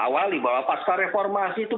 awali bahwa pasca reformasi itu